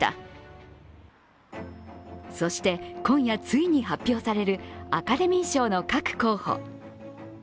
そして今夜ついに発表されるアカデミー賞の各候補。